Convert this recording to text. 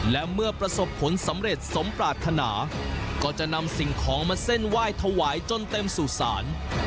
และเมื่อประสบผลสำเร็จสมปรารถนาก็จะนำสิ่งของมาเส้นไหว้ถวายจนเต็มสู่ศาล